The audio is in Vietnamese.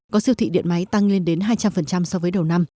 có siêu thị điện máy tăng lên đến hai trăm linh so với đầu năm